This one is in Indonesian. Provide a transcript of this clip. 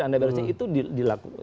anda beresin itu diperoleh